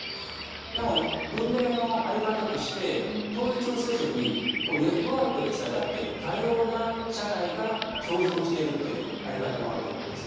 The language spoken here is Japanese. でも文明の在り方として統一をせずにネットワークでつながってる多様な社会が共存してるという在り方もあると思うんですね。